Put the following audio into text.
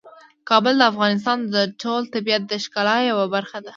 کابل د افغانستان د ټول طبیعت د ښکلا یوه برخه ده.